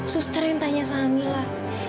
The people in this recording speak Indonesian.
suster yang tanya sama mila